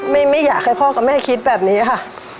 ไม่อยากให้พ่อกับแม่คิดแบบนี้ค่ะ